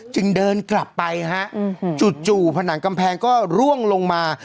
เดินกลับไปฮะจู่ผนังกำแพงก็ร่วงลงมา